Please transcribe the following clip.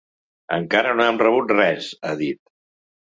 Encara no hem rebut res, ha dit.